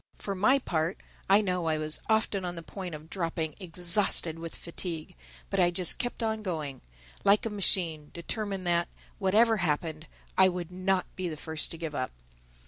For my part, I know I was often on the point of dropping exhausted with fatigue; but I just kept on going—like a machine—determined that, whatever happened, I would not be the first to give up.